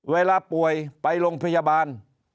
เวลาป่วยไปโรงพยาบาล